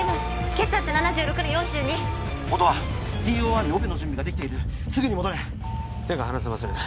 血圧７６の４２音羽ＴＯ１でオペの準備ができているすぐに戻れ手が離せません